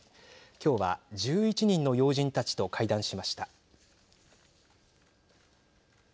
今日は１１人の要人たちと会談しました。